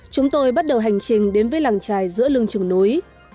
chúng tôi bắt đầu hành trình đến với làng trài giữa lưng trường núi